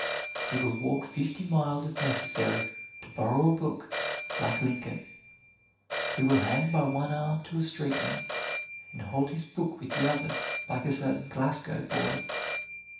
He will walk fifty miles if necessary to borrow a book, like Lincoln. He will hang by one arm to a street lamp, and hold his book with the other, like a certain Glasgow boy.